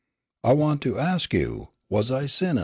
I want to ax you, was I sinnin'?